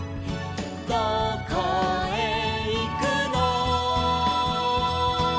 「どこへいくの」